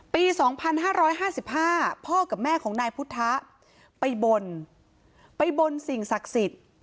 ปี๒๕๕๕พ่อกับแม่ของนายพุทธะไปบนไปบนสิ่งศักดิ์สิทธิ์